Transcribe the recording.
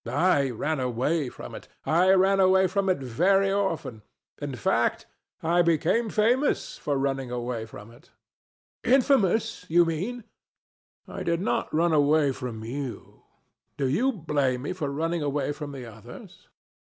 I ran away from it. I ran away from it very often: in fact I became famous for running away from it. ANA. Infamous, you mean. DON JUAN. I did not run away from you. Do you blame me for running away from the others?